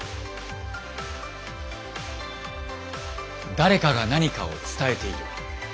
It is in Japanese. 誰かが何かを伝えている。